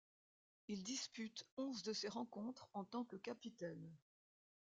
Il dispute onze de ces rencontres en tant que capitaine.